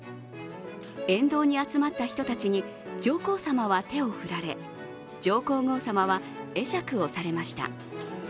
沿道に集まった人たちに上皇さまは手を振られ上皇后さまは会釈をされました。